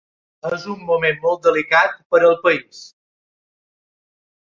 És un moment molt delicat per al país.